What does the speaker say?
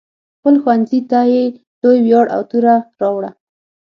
خپل ښوونځي ته یې لوی ویاړ او توره راوړه.